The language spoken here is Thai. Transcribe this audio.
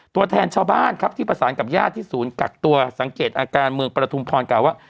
ตัวแทนชาวบ้านครับที่ประสานกับญาติที่ศูนย์กักตัวสังเกตอาการเมืองประทุมพรกล่าวว่า